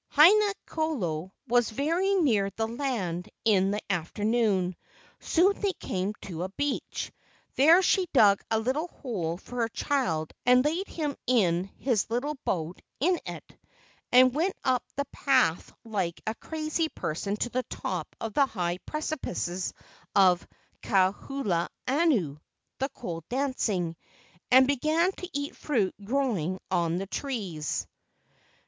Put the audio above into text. Haina kolo was very near the land in the afternoon. Soon they came to the beach. There she dug a little hole for her child and laid him in his little boat in it and went up the path like a crazy person to the top of the high precipices of Ka hula anu (the cold dancing) and began to eat fruit growing on the trees.